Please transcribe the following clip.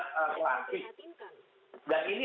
klasik dan ini